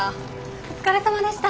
お疲れさまでした！